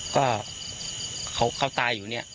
ก็เขาตายอยู่เนี่ย